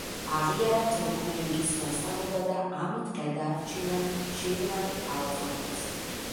აღიარა თემურლენგის ვასალობა და ამით გადაარჩინა შირვანი აოხრებას.